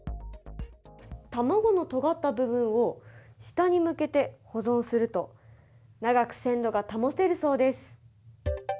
卵のとがった部分を下に向けて保存すると長く鮮度が保てるそうです。